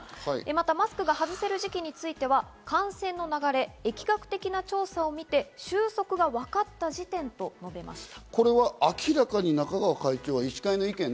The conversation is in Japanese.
また、マスクが外せる時期については感染の流れ、疫学的な調査を見て、収束がわかった時点と述べました。